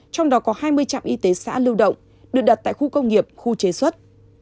trong đó có hai mươi trạm y tế xã lưu động được đặt tại khu công nghiệp khu chế xuất